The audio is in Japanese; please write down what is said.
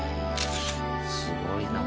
すごいな。